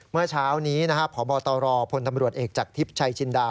เมื่อเช้านี้นะครับพบตรพลตำรวจเอกจากทิพย์ชัยจินดา